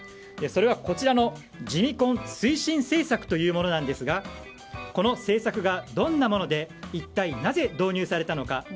それは、こちらのジミ婚推進政策というものですがこの政策がどんなもので一体なぜ導入されたのか。